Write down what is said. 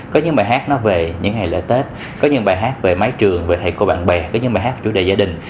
có những bài hát nó về những ngày lễ tết có những bài hát về mái trường về thầy cô bạn bè có những bài hát chủ đề gia đình